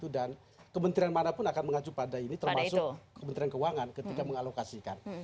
dan kementerian mana pun akan mengacu pada ini termasuk kementerian keuangan ketika mengalokasikan